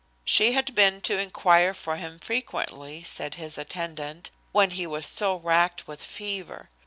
She had been to inquire for him frequently, said his attendant, when he was so racked with fever.